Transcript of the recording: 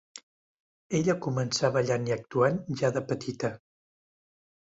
Ella començà ballant i actuant ja de petita.